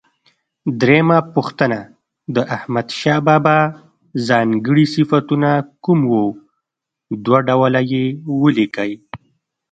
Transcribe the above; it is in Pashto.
درېمه پوښتنه: د احمدشاه بابا ځانګړي صفتونه کوم و؟ دوه ډوله یې ولیکئ.